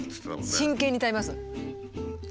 真剣に食べます。